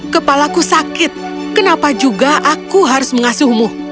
kepalaku sakit kenapa juga aku harus mengasuhmu